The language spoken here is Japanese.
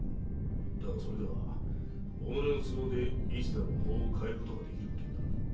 だがそれでは己の都合でいつでも法を変えることができることになる。